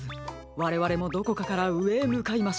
われわれもどこかからうえへむかいましょう。